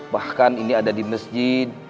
bahkan ini ada di masjid